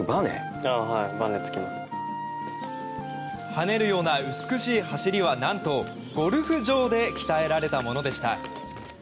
跳ねるような美しい走りは何と、ゴルフ場で鍛えられたものでした。